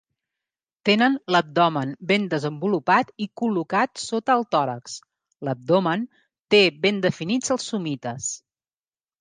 Tenen l'abdomen ben desenvolupat i col·locat sota el tòrax; l'abdomen té ben definits els somites.